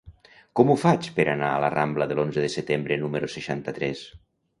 Com ho faig per anar a la rambla de l'Onze de Setembre número seixanta-tres?